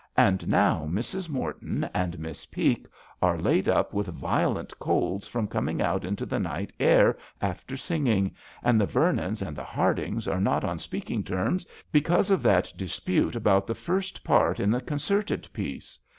And now Mrs. Morton and Miss Peake are laid up with violent colds from com THE VIOLIN OBBLIGATO. 71 ing out into the night air after singing, and the Vernons and the Hardings are not on speaking terms because of that dispute about the first part in the con certed piece.